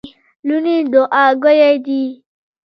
لوڼي دوعا ګویه دي.